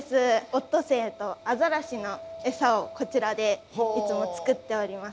オットセイとアザラシのエサをこちらでいつも作っております。